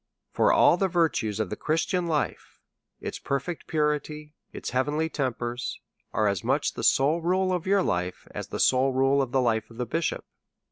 For all the virtues of the Christian life, its perfect purity, its heavenly tempers, are as much the sole rule of your life as the sole rule of the life of a bishop.